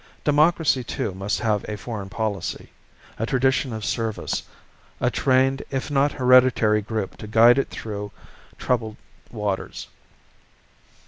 Democracy too must have a foreign policy, a tradition of service; a trained if not hereditary group to guide it through troubled waters.